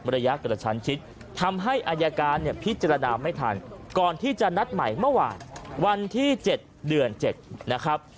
ระยะกระชั้นชิดทำให้อายการเนี่ยพิจารณาไม่ทันก่อนที่จะนัดใหม่เมื่อวานวันที่๗เดือน๗นะครับ